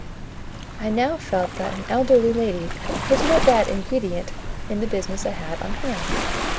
I now felt that an elderly lady was no bad ingredient in the business I had on hand.